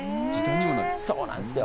そうなんですよ。